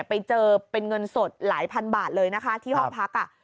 ไปเจอเป็นเงินสดหลายพันบาทเลยนะคะที่ห้องพักอ่ะ